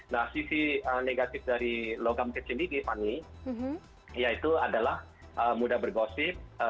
nah sisi negatif dari logam kecil ini fani yaitu adalah mudah bergosip